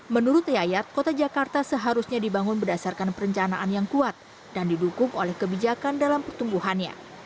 menurut yayat kota jakarta seharusnya dibangun berdasarkan perencanaan yang kuat dan didukung oleh kebijakan dalam pertumbuhannya